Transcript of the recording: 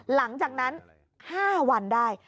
หลังจากนั้น๕วันได้